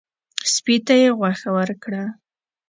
سپي ته یې غوښه ورکړه.